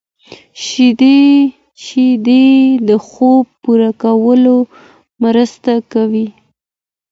شیدې د خوب پوره کولو مرسته کوي